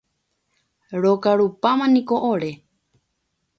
Rokarupámaniko ore.